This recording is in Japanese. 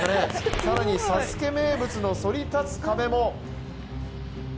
更に「ＳＡＳＵＫＥ」名物のそり立つ壁も。